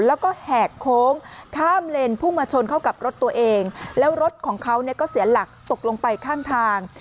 แล้วก็แหกโค้งข้ามเลนพุ่งมาชนเข้ากับรถตัวเองแล้วรถของเขาเนี่ยก็เสียหลักตกลงไปข้างทาง